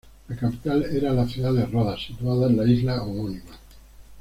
La capital era la ciudad de Rodas, situada en la isla homónima.